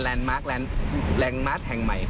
มาร์คแลนด์มาร์คแห่งใหม่